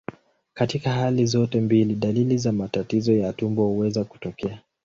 Katika hali zote mbili, dalili za matatizo ya utumbo huweza kutokea.